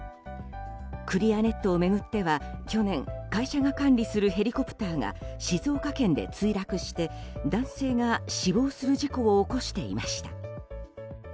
クリアネットを巡っては去年、会社が管理するヘリコプターが静岡県で墜落して男性が死亡する事故を起こしていました。